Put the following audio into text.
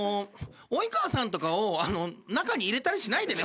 及川さんとかを中に入れたりしないでね